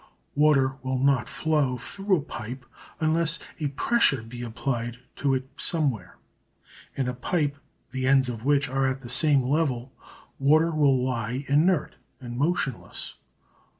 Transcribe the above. Water will not flow through a pipe unless a pressure be applied to it somewhere. In a pipe the ends of which are at the same level water will lie inert and motionless.